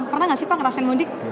pernah nggak sih pak ngerasain mudik